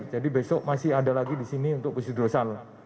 jadi besok masih ada lagi di sini untuk pusid rosal